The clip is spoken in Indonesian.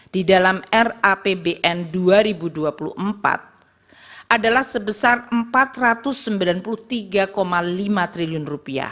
di dalam rapbn dua ribu dua puluh empat adalah sebesar rp empat ratus sembilan puluh tiga lima triliun